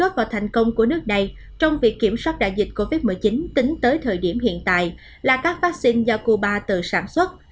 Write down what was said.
và thành công của nước này trong việc kiểm soát đại dịch covid một mươi chín tính tới thời điểm hiện tại là các vaccine do cuba tự sản xuất